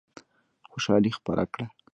خوشالي خپره کړه.